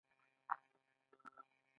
ارواحو تړي.